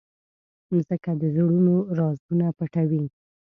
مځکه د زړونو رازونه پټوي.